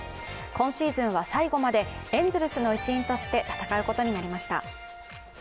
今シーズンは最後まで、エンゼルスの一員として戦うことになりました。